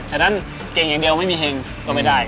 นั้นเก่งอย่างเดียวไม่มีเห็งก็ไม่ได้